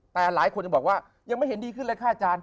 แต่หลายคนยังบอกว่ายังไม่เห็นดีขึ้นเลยค่ะอาจารย์